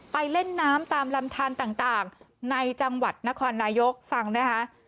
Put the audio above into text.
เล่นน้ำตามลำทานต่างในจังหวัดนครนายกฟังนะคะ